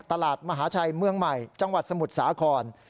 มหาชัยเมืองใหม่จังหวัดสมุทรสาคร